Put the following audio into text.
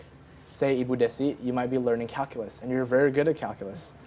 katakanlah ibu desi anda mungkin belajar kalkulasi dan anda sangat baik dalam kalkulasi